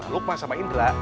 lupa sama indra